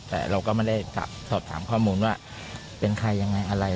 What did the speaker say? แต่เราก็ไม่ได้สอบถามข้อมูลว่าเป็นใครยังไงอะไร